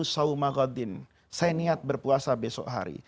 saya niat berpuasa besok hari